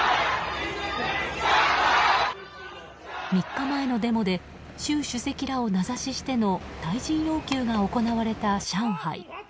３日前のデモで習主席らを名指ししての退陣要求が行われた上海。